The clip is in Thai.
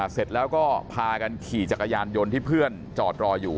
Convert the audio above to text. เสร็จแล้วก็พากันขี่จักรยานยนต์ที่เพื่อนจอดรออยู่